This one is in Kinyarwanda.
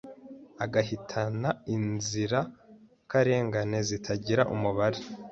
agahitana inzirakarengane zitagira umubare